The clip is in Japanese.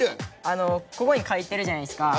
あのここにかいてるじゃないですか。